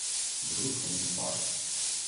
Brut com un porc.